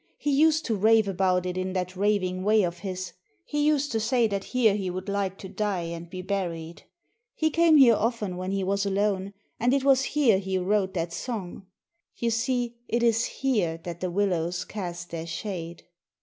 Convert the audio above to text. He used to rave about it in that raving way of his. He used to say that here he would like to die and be buried. He came here often when he was alone, and it was here he wrote that song. You see it is here that the willows cast their shade."